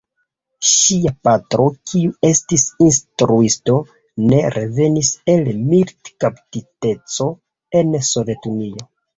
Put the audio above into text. Ŝia patro, kiu estis instruisto, ne revenis el militkaptiteco en Sovetunio.